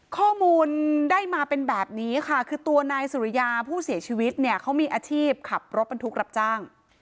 ข้อมูลได้มาเป็นแบบนี้ค่ะคือตัวนายสุริยาผู้เสียชีวิตเนี่ยเขามีอาชีพขับรถบรรทุกรับจ้าง